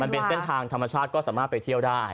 มันเป็นเส้นทางธรรมชาติก็สามารถไปเที่ยวได้